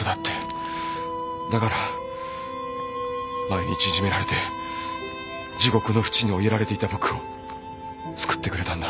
だから毎日いじめられて地獄の淵に追いやられていた僕を救ってくれたんだ。